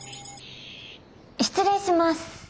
失礼します。